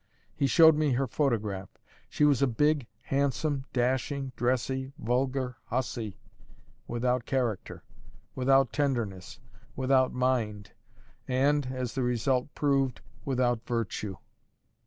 He showed me her photograph; she was a big, handsome, dashing, dressy, vulgar hussy, without character, without tenderness, without mind, and (as the result proved) without virtue.